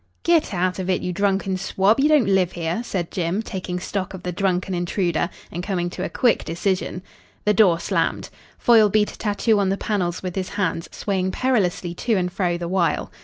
"Git out of it, you drunken swab. You don't live here," said Jim, taking stock of the drunken intruder and coming to a quick decision. The door slammed. Foyle beat a tattoo on the panels with his hands, swaying perilously to and fro the while.